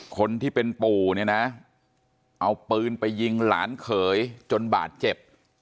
คนที่เป็นปู่เนี่ยนะเอาปืนไปยิงหลานเขยจนบาดเจ็บ